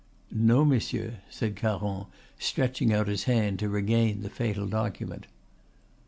"No, monsieur," said Caron, stretching out his hand to regain the fatal document.